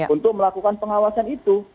untuk melakukan pengawasan itu